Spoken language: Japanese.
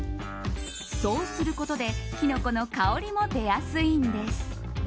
そうすることでキノコの香りも出やすいんです。